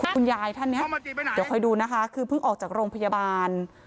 คุณยายท่านนี้เดี๋ยวคอยดูนะคะคือเพิ่งออกจากโรงพยาบาล